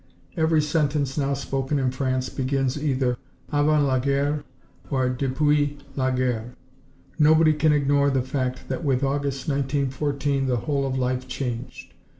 Every sentence now spoken in France begins either "Avant la guerre" or "Depuis la guerre." Nobody can ignore the fact that with August, 1914, the whole of life changed.